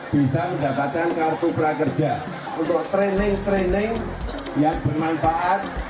bisa mendapatkan kartu prakerja untuk training training yang bermanfaat